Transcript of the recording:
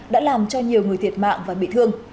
đã làm cho nhiều người thiệt mạng và bị thương